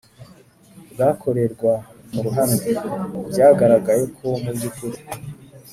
bwakorerwa mu ruhame. Byagaragaye ko mu by'ukuri